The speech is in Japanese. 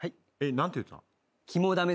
何て言った？